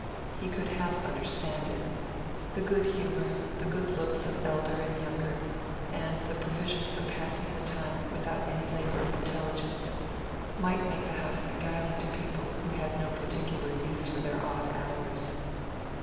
He could half understand it: the good humor, the good looks of elder and younger, and the provision for passing the time without any labor of intelligence, might make the house beguiling to people who had no particular use for their odd hours.